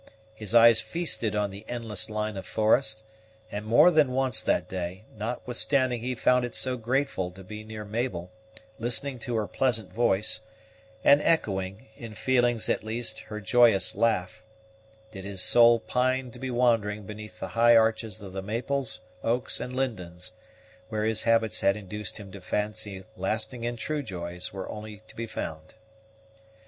His eyes feasted on the endless line of forest, and more than once that day, notwithstanding he found it so grateful to be near Mabel, listening to her pleasant voice, and echoing, in feelings at least, her joyous laugh, did his soul pine to be wandering beneath the high arches of the maples, oaks, and lindens, where his habits had induced him to fancy lasting and true joys were only to be found.